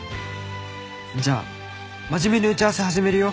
じゃあ真面目に打ち合わせ始めるよ。